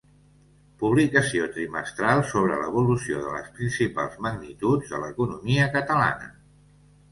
Publicació trimestral sobre l'evolució de les principals magnituds de l'economia catalana.